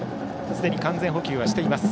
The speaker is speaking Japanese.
すでに完全捕球はしています。